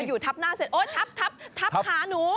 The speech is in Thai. อยู่ทับหน้าเสร็จโอ๊ยทับขาหนู